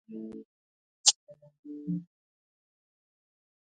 ازادي راډیو د ورزش په اړه د روغتیایي اغېزو خبره کړې.